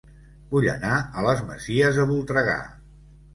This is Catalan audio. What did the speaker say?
Vull anar a Les Masies de Voltregà